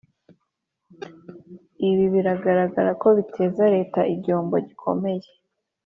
Ibi biragaragara ko bizateza Leta igihombo gikomeye